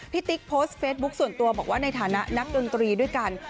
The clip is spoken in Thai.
ติ๊กโพสต์เฟซบุ๊คส่วนตัวบอกว่าในฐานะนักดนตรีด้วยกัน